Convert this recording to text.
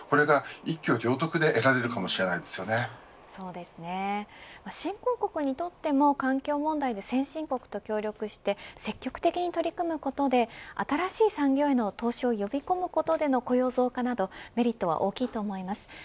これが一挙両得で新興国にとっても環境問題で先進国と協力して積極的に取組むことで新しい産業への投資を呼び込むことでの雇用増加などメリットは大きいと思います。